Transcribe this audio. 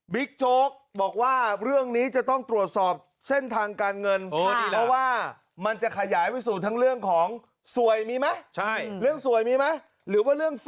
โจ๊กบอกว่าเรื่องนี้จะต้องตรวจสอบเส้นทางการเงิน